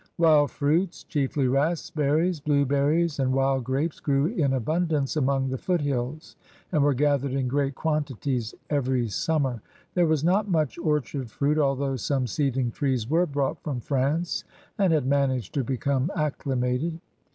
Wild fruits, chiefly raspberries, blueberries, and wild grapes, grew in abundance among the foothills and were gathered in great quantities every smnmer. There was not much orchard fruit, although some seedling trees were brought from France and had managed to become acclimated.